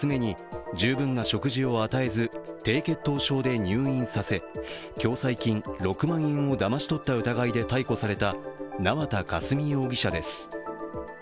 今年１月当時８歳の娘に十分な食事を与えず低血糖症で入院させて共済金６万円をだまし取った疑いで逮捕された縄田佳純容疑者です。